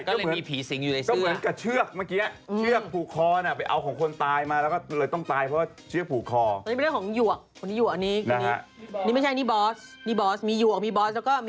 คือไปซื้อเสื้อมาคือไปซื้อเสื้อมามือสองค่ะ